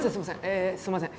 えすいません。